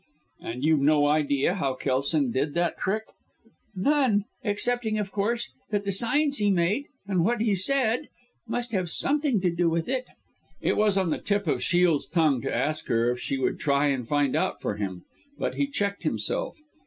"And you've no idea how Kelson did that trick?" "None, excepting, of course, that the signs he made, and what he said, must have had something to do with it." It was on the tip of Shiel's tongue to ask her, if she would try and find out for him, but he checked himself.